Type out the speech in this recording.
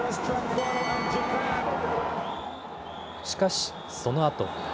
しかし、そのあと。